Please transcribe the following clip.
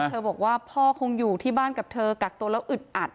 เธอบอกว่าพ่อคงอยู่ที่บ้านกับเธอกักตัวแล้วอึดอัด